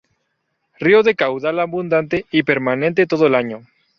Río de caudal abundante y permanente todo el año.